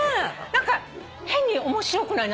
何か変に面白くない？